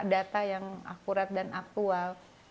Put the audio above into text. data yang akurat dan aktual